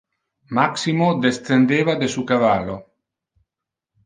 Maximo descendeva de su cavallo.